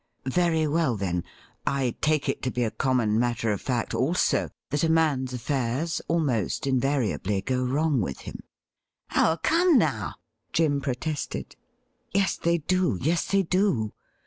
Very well, then, I take it to be a common matter of fact also that a man's affairs almost invariably go wrong with him.' ' Oh, come now !' Jim protested. ' Yes, they do ; yes, they do.